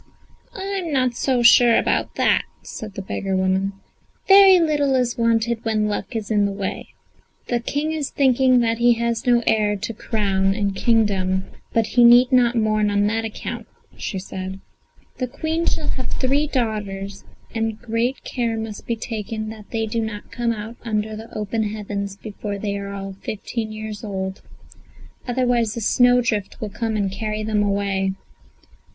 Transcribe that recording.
"I am not so sure about that," said the beggar woman. "Very little is wanted when luck is in the way. The King is thinking that he has no heir to his crown and kingdom, but he need not mourn on that account," she said. "The Queen shall have three daughters, but great care must be taken that they do not come out under the open heavens before they are all fifteen years old; otherwise a snowdrift will come and carry them away."